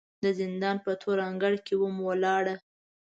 د زندان په تور انګړ کې وم ولاړه